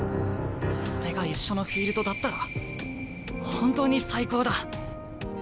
それが一緒のフィールドだったら本当に最高だ。